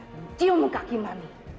mencium kaki mami